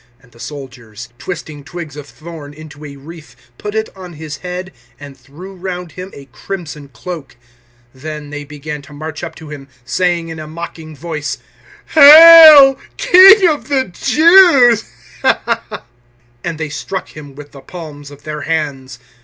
019:002 And the soldiers, twisting twigs of thorn into a wreath, put it on His head, and threw round Him a crimson cloak. 019:003 Then they began to march up to Him, saying in a mocking voice, "Hail King of the Jews!" And they struck Him with the palms of their hands.